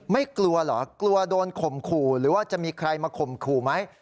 ไม่กลัวเหรอกลัวโดนข่มขู่หรือว่าจะมีใครมาข่มขู่ไหม